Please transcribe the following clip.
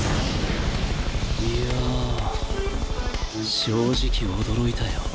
いや正直驚いたよ。